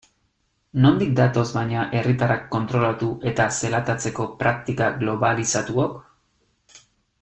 Nondik datoz baina herriatarrak kontrolatu eta zelatatzeko praktika globalizatuok?